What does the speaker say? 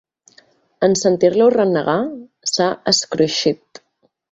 En sentir-lo renegar, s'ha escruixit.